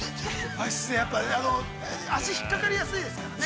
◆和室って、足がひっかかりやすいですからね。